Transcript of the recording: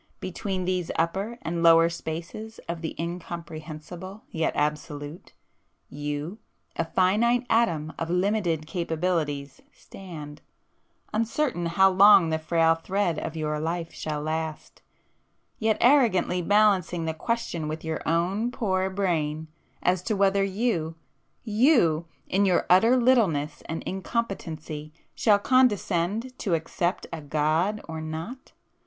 Between these upper and lower spaces of the Incomprehensible yet Absolute, you, a finite atom of limited capabilities stand, uncertain how long the frail thread of your life shall last, yet arrogantly balancing the question with your own poor brain, as to whether you,—you in your utter littleness and incompetency shall condescend to accept a God or not!